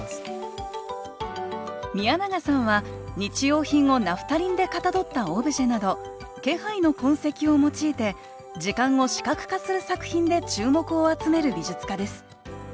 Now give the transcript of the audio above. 宮永さんは日用品をナフタリンでかたどったオブジェなど気配の痕跡を用いて時間を視覚化する作品で注目を集める美術家です。